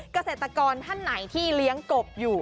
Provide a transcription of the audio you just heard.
เกษตรกรท่านไหนที่เลี้ยงกบอยู่